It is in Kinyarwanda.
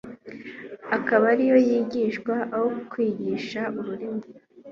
akaba ariyo yigishwa aho kwigisha ururimi